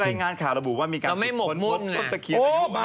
มีรายงานข่าวระบุว่ามีการขุดพบตะเคียนอายุนับ๑๐๐ปี